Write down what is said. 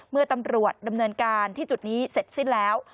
เมื่อตำรวจดำเนินการที่จุดนี้เสร็จสิ้นแล้ว